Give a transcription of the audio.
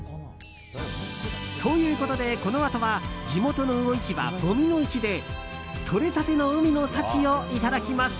ということで、このあとは地元の魚市場、五味の市でとれたての海の幸をいただきます。